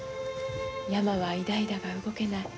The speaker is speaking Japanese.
山は偉大だが動けない。